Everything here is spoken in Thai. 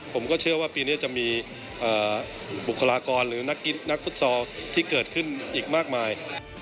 ผมก็เชื่อว่าปีนี้จะมีบุคลากรหรือนักฟุตซอลที่เกิดขึ้นอีกมากมาย